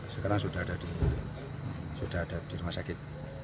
sekarang sudah ada di rumah sakit